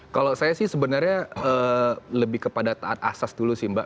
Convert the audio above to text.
kalau saya sih sebenarnya lebih kepada taat asas dulu sih mbak